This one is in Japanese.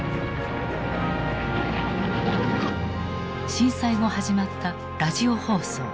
震災後始まったラジオ放送。